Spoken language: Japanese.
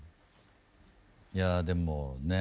いやでもね